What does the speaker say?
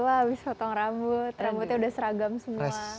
wah habis potong rambut rambutnya udah seragam semua